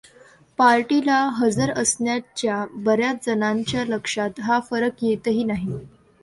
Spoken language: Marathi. पार्टीला हजर असणाच्या बऱ्याच जणांच्या लक्षात हा फरक येतही नाही.